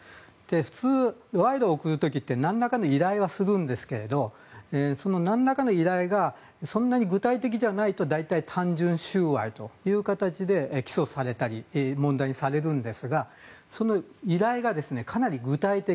普通、賄賂を贈る時ってなんらかの依頼はするんですがそのなんらかの依頼がそんなに具体的じゃないと大体、単純収賄という形で起訴されたり問題にされるんですがその依頼がかなり具体的。